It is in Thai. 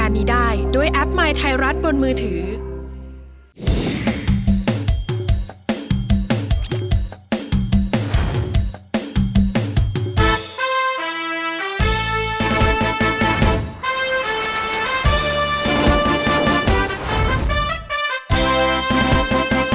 ร้องได้ให้ร้าง